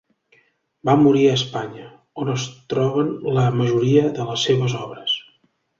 Va morir a Espanya, on es troben la majoria de les seves obres.